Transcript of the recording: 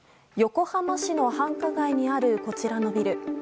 横浜市の繁華街にあるこちらのビル。